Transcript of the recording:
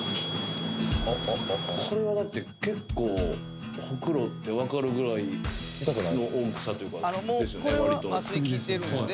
これはだって結構ホクロって分かるぐらいの大きさというかですよね？